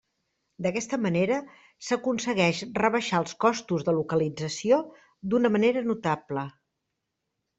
D'aquesta manera s'aconsegueix rebaixar els costos de localització d'una manera notable.